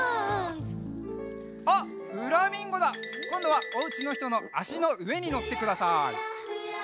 こんどはおうちのひとのあしのうえにのってください。